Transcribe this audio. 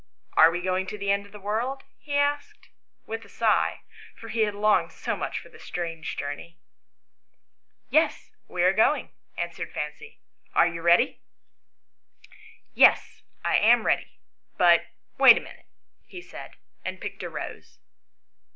" Are we going to the end of the world ?" he asked with a sigh, for he had longed so much for this strange journey. " Yes, we are going," answered Fancy ;" are you ready ?"" Yes, I am ready ; but wait a minute," he said, and picked a rose.